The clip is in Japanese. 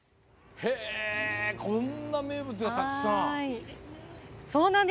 こんな名物がたくさん！